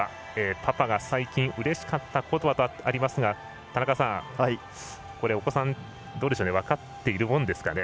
パパが最近うれしかったことは？などとありますが田中さん、これ、お子さん分かっているものですかね。